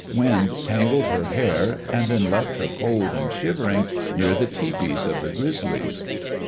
Wind tangled her hair and then left her cold and shivering near the tepees of the Grizzlies.